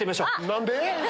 何で？